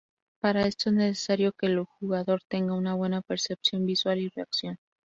Para esto es necesario que el jugador tenga una buena percepción visual y reacción.